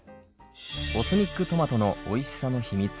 オスミックトマトのおいしさの秘密